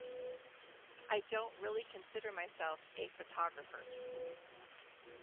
I don't really consider myself a photographer.